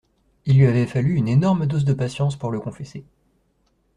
Il lui avait fallu une énorme dose de patience pour le confesser